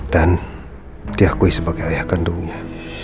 dan diakui sebagai ayah kandungnya